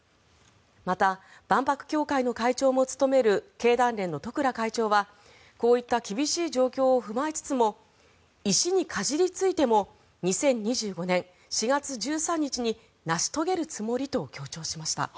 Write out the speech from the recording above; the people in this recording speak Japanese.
また、万博協会の会長も務める経団連の十倉会長はこういった厳しい状況を踏まえつつも石にかじりついても２０２５年４月１３日に成し遂げるつもりと強調しました。